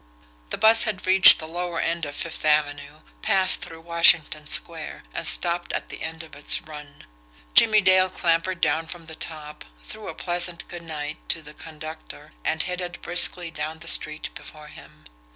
The bus had reached the lower end of Fifth Avenue, passed through Washington Square, and stopped at the end of its run. Jimmie Dale clambered down from the top, threw a pleasant "good night" to the conductor, and headed briskly down the street before him.